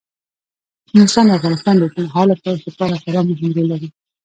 نورستان د افغانستان د اوږدمهاله پایښت لپاره خورا مهم رول لري.